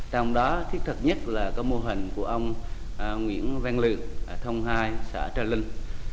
trong đó thiết thật nhất là có mô hình của ông nguyễn văn lượng ở thông hai xã trà linh